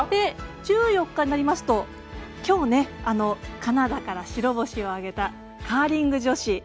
１４日になりますときょう、カナダから白星を挙げたカーリング女子。